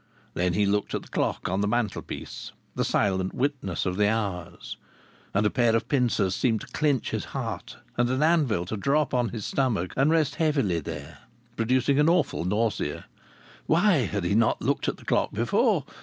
Then he looked at the clock on the mantelpiece, the silent witness of the hours. And a pair of pincers seemed to clutch his heart, and an anvil to drop on his stomach and rest heavily there, producing an awful nausea. Why had he not looked at the clock before?